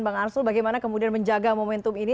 bang arsul bagaimana kemudian menjaga momentum ini